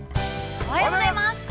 ◆おはようございます。